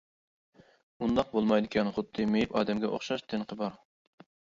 ئۇنداق بولمايدىكەن، خۇددى مېيىپ ئادەمگە ئوخشاش، تىنىقى بار.